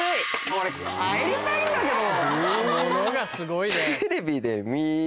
俺帰りたいんだけど。